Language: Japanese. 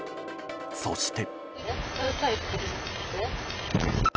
そして。